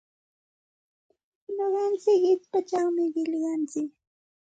Nuqantsik qichpachawmi qillqantsik.